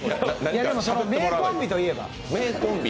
名コンビといえば。